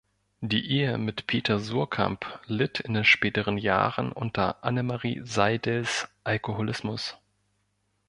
Die Ehe mit Peter Suhrkamp litt in den späteren Jahren unter Annemarie Seidels Alkoholismus.